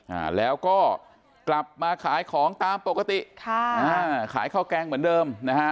อ่าแล้วก็กลับมาขายของตามปกติค่ะอ่าขายข้าวแกงเหมือนเดิมนะฮะ